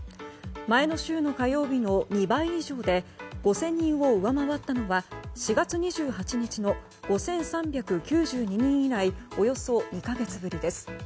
前の週の火曜日の２倍以上で５０００人を上回ったのは４月２８日の５３９２人以来およそ２か月ぶりです。